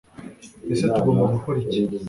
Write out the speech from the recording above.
ese tugomba gukora iki